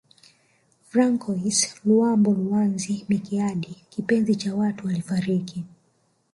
Francois Luambo Luanzo Makiadi kipenzi cha watu alifariki